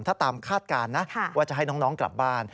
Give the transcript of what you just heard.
ถ้าตามคาดการณ์นะว่าจะให้น้องกลับบ้าน